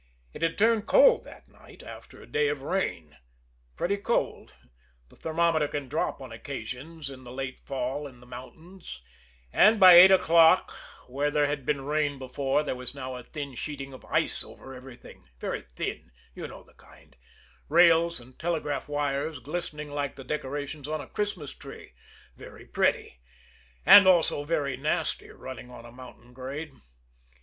It had turned cold that night, after a day of rain. Pretty cold the thermometer can drop on occasions in the late fall in the mountains and by eight o'clock, where there had been rain before, there was now a thin sheeting of ice over everything very thin you know the kind rails and telegraph wires glistening like the decorations on a Christmas tree very pretty and also very nasty running on a mountain grade.